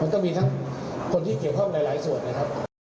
ก็มีทั้งคนที่เกี่ยวข้องหลายส่วนนะครับ